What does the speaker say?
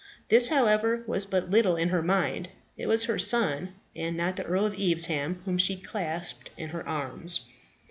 This, however, was but little in her mind then. It was her son, and not the Earl of Evesham, whom she clasped in her arms.